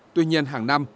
tuy nhiên hàng năm